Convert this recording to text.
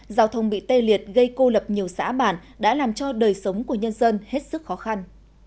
giao thông bị tê liệt gây cô lập nhiều xã bản đã làm cho đời sống của nhân dân hết sức khó khăn